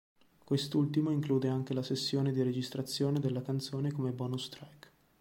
Quest'ultimo include anche la sessione di registrazione della canzone come bonus-track.